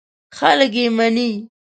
خلک یې مني.